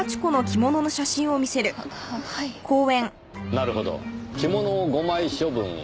なるほど着物を５枚処分した。